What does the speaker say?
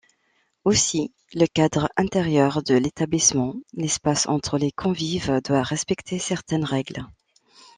Aussi, le cadre intérieur de l'établissement, l'espace entre les convives doit respecter certaines règles.